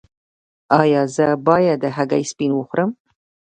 ایا زه باید د هګۍ سپین وخورم؟